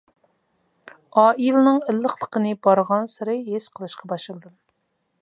ئائىلىنىڭ ئىللىقلىقىنى بارغانسېرى ھېس قىلىشقا باشلىدىم.